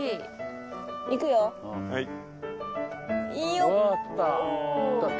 よっ！